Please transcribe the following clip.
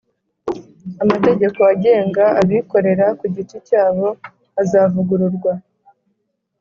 amategeko agenga abikorera ku giti cyabo azavugururwa